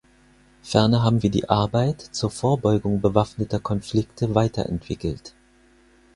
Ferner haben wir die Arbeit zur Vorbeugung bewaffneter Konflikte weiterentwickelt.